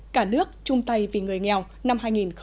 cả nước chung tay vì người nghèo năm hai nghìn hai mươi